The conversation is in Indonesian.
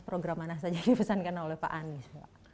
program mana saja yang dipesankan oleh pak anies